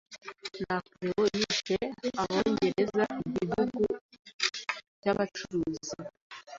Napoleon yise Abongereza igihugu cyabacuruzi.